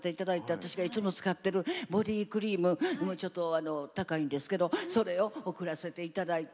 私がいつも使ってるボディークリームちょっと高いんですけどそれを送らせていただいた。